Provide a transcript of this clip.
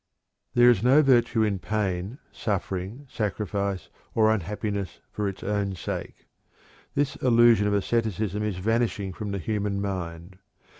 There is no virtue in pain, suffering, sacrifice, or unhappiness for its own sake. This illusion of asceticism is vanishing from the human mind.